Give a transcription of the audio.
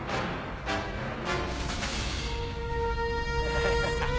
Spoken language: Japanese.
ハハハハ。